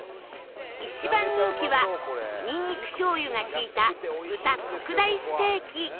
一番人気はニンニク醤油が利いた豚特大ステーキ